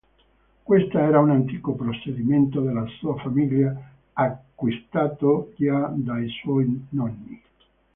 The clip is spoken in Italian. Questa era un antico possedimento della sua famiglia acquistato già dai suoi nonni.